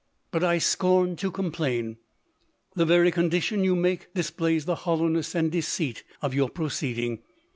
t£ but I scorn to complain. The very condition you make displays the hollowness and deceit of your proceeding.